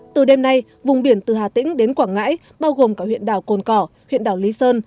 từ đêm nay vùng biển từ hà tĩnh đến quảng ngãi bao gồm cả huyện đảo cồn cỏ huyện đảo lý sơn